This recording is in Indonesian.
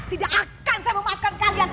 tidak akan saya memaafkan kalian